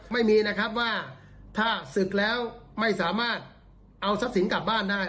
ไม่มีนะครับว่าถ้าศึกแล้วไม่สามารถเอาทรัพย์สินกลับบ้านได้